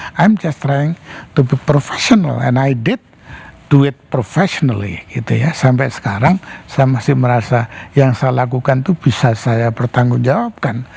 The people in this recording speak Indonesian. saya hanya berusaha untuk berusaha profesional dan saya melakukannya secara profesional gitu ya sampai sekarang saya masih merasa yang saya lakukan itu bisa saya bertanggung jawabkan